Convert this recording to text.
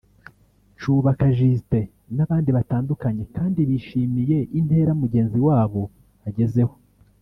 Cubaka Justin n’abandi batandukanye kandi bishimiye intera mugenzi wabo agezeho